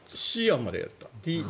Ｃ案までやった。